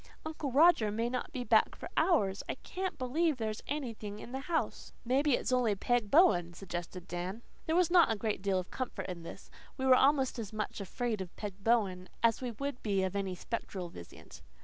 Uncle Roger may not be back for hours. I CAN'T believe there's anything in the house." "Maybe it's only Peg Bowen," suggested Dan. There was not a great deal of comfort in this. We were almost as much afraid of Peg Bowen as we would be of any spectral visitant.